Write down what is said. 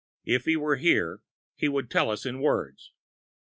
If he were here, he could tell us in words.